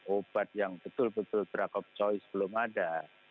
obat yang betul betul drug of choice belum ada